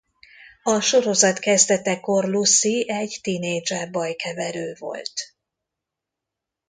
A sorozat kezdetekor Lucy egy tinédzser bajkeverő volt.